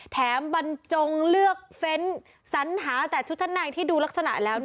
บรรจงเลือกเฟ้นสัญหาแต่ชุดชั้นในที่ดูลักษณะแล้ว